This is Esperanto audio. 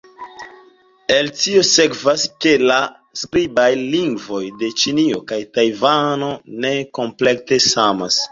El tio sekvas, ke la skribaj lingvoj de Ĉinio kaj Tajvano ne komplete samas.